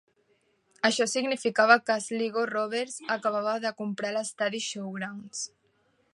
Això significava que Sligo Rovers acabava de comprar l'estadi Showgrounds.